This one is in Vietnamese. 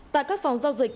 tại các phòng giao dịch